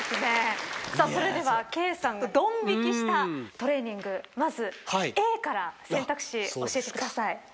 それではＫさんがドン引きしたトレーニングまずＡから選択肢教えてください。